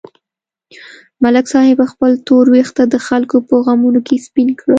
ملک صاحب خپل تور وېښته د خلکو په غمونو کې سپین کړل.